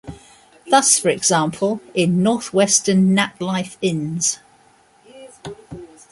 Thus, for example, in Northwestern Nat Life Ins.